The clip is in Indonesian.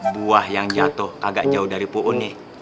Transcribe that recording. buah yang jatuh kagak jauh dari pu'un nih